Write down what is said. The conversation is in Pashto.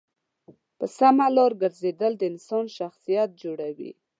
په سمه لاره گرځېدل د انسان شخصیت جوړوي.